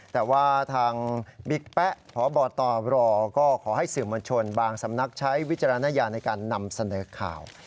แต่ว่าทางบิ๊กแป๊ะพบตรก็ขอให้สื่อมวลชนบางสำนักใช้วิจารณญาณในการนำเสนอข่าว